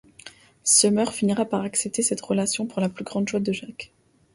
Summer finira par accepter cette relation pour la plus grande joie de Jack.